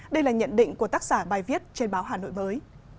đây là nhận định của tác giả bài viết trên báo hà nội mới